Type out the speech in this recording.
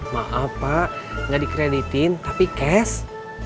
maaf pak nggak dikreditin tapi cash